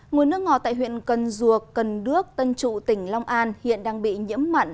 nguồn nước ngọt tại huyện cần duộc cần đước tân trụ tỉnh long an hiện đang bị nhiễm mặn